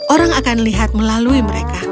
orang akan lihat melalui mereka